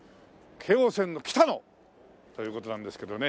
京王線の北野という事なんですけどね。